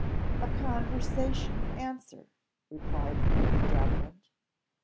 "A conversation answer," replied Lady Davenant.